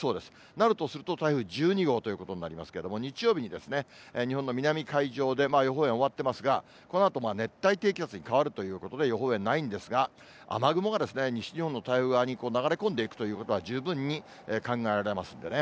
なるとすると、台風１２号ということになりますけれども、日曜日に日本の南海上で予報円終わってますが、このあと熱帯低気圧に変わるということで、予報円ないんですが、雨雲が西日本の太平洋側に流れ込んでいくということは十分に考えられますんでね。